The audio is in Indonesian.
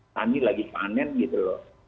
tani lagi panen gitu loh